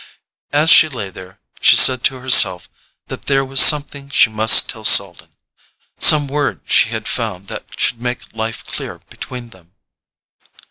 As she lay there she said to herself that there was something she must tell Selden, some word she had found that should make life clear between them.